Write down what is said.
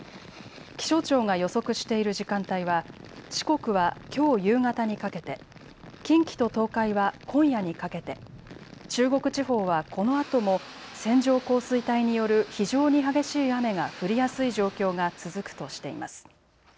気象庁が予測している時間帯は四国はきょう夕方にかけて、近畿と東海は今夜にかけて、中国地方はこのあとも線状降水帯による非常に激しい雨が降りやすい状況が続くとしています。